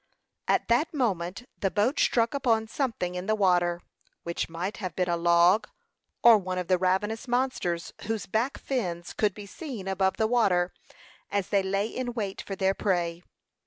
At that moment the boat struck upon something in the water, which might have been a log, or one of the ravenous monsters, whose back fins could be seen above the water, as they lay in wait for their prey.